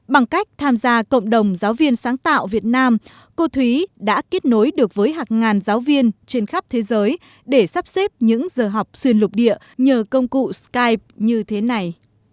bằng cách tham gia cộng đồng giáo viên sáng tạo việt nam cô thúy đã kết nối được với hàng ngàn giáo viên trên khắp thế giới để sắp xếp những giờ học xuyên lục địa nhờ công cụ sky như thế này